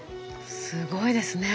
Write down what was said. すごいですね。